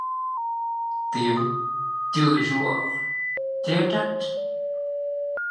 Tiếng chưởi rủa, chê trách